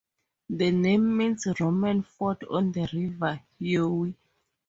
The name means 'Roman fort on the River Yeo'.